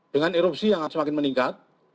dengan erupsi yang akan semakin meningkat